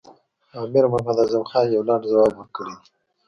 امیر محمد اعظم خان یو لنډ ځواب ورکړی دی.